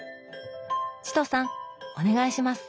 チトさんお願いします！